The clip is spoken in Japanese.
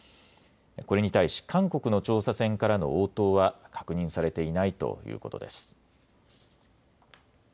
これに対し韓国の調査船からの応答は確認されていないということです。